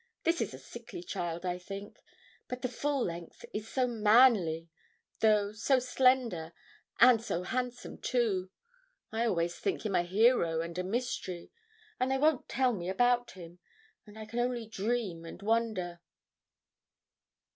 This is a sickly child, I think; but the full length is so manly, though so slender, and so handsome too. I always think him a hero and a mystery, and they won't tell me about him, and I can only dream and wonder.'